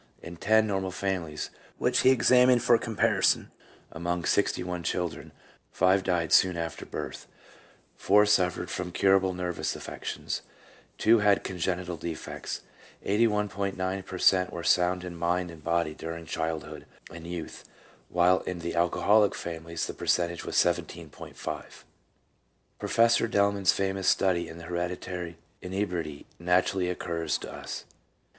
In ten normal families, which he examined for com parison, among sixty one children, five died soon after birth ; four suffered from curable nervous affections; two had congenital defects. 81.9 per cent, were sound in mind and body during childhood and youth, while in the alcoholic families the per centage was 17.5. Professor Delman's famous study in hereditary inebriety naturally occurs to us.